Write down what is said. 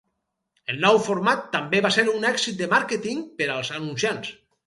El nou format també va ser un èxit de màrqueting per als anunciants.